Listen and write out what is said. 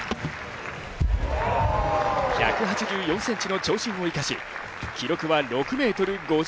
１８４ｃｍの長身を生かし記録は６ｍ５９ｃｍ。